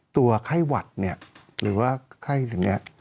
ตัวไข้หวัดเนี่ยหรือว่าไข้อย่างนี้